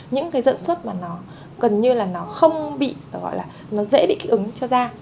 những cái giận xuất mà nó gần như là nó không bị gọi là nó dễ bị kích ứng cho da